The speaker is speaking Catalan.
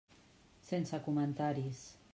Sense comentaris.